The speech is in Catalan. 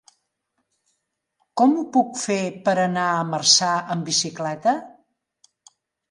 Com ho puc fer per anar a Marçà amb bicicleta?